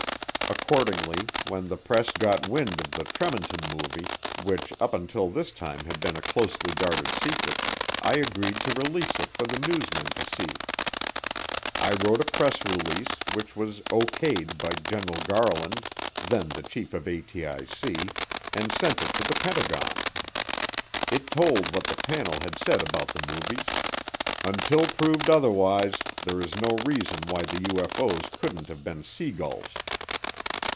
Accordingly, when the press got wind of the Tremonton Movie, which up until this time had been a closely guarded secret, I agreed to release it for the newsmen to see. I wrote a press release which was O.K.'d by General Garland, then the chief of ATIC, and sent it to the Pentagon. It told what the panel had said about the movies, "until proved otherwise there is no reason why the UFO's couldn't have been sea gulls."